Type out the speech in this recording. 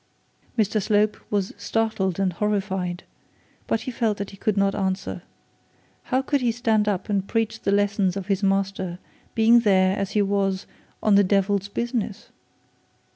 Mr Slope was startled and horrified, but he felt that he could not answer. How could he stand up and preach the lessons of his Master, being there as he was, on the devil's business?